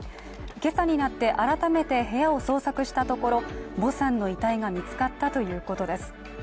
今朝になって改めて部屋を捜索したところヴォさんの遺体が見つかったということです。